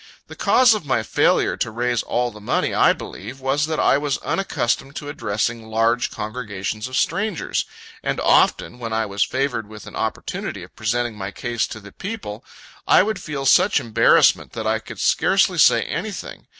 The cause of my failure to raise all the money, I believe, was that I was unaccustomed to addressing large congregations of strangers; and often, when I was favored with an opportunity of presenting my case to the people, I would feel such embarrassment that I could scarcely say anything.